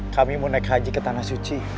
kami mau naik haji ke tanah suci